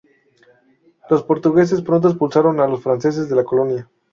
Los portugueses pronto expulsaron a los franceses de la colonia.